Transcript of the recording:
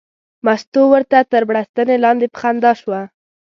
مستو ورته تر بړستنې لاندې په خندا شوه.